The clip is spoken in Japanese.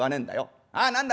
あっ何だ